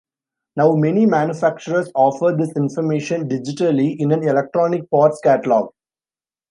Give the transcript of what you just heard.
Now, many manufacturers offer this information digitally in an electronic parts catalogue.